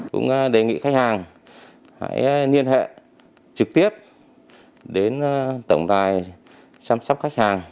cũng đề nghị khách hàng hãy liên hệ trực tiếp đến tổng đài chăm sóc khách hàng